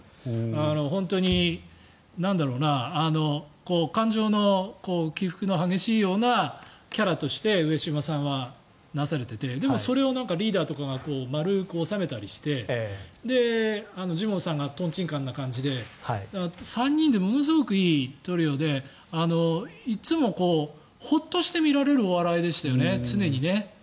本当に、感情の起伏の激しいようなキャラとして上島さんはなされていてでもそれをリーダーとかが丸く収めたりしてジモンさんがとんちんかんな感じで３人でものすごくいいトリオでいつもホッとして見られるお笑いでしたよね、常にね。